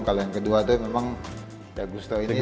kalau yang kedua itu memang ya gusto ini